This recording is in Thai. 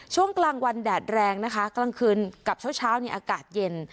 ช่วงกลางวันแดดแรงนะคะกลางคืนกับเช้าอากาศเย็น